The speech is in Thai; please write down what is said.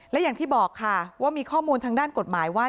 และอย่างที่บอกค่ะว่ามีข้อมูลทางด้านกฎหมายว่า